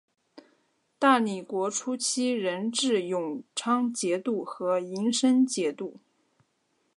大理国初期仍置永昌节度和银生节度。